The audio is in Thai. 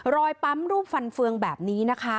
ปั๊มรูปฟันเฟืองแบบนี้นะคะ